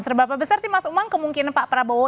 seberapa besar sih mas umang kemungkinan pak prabowo